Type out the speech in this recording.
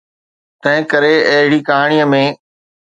تنهنڪري اهڙي ڪهاڻي ۾.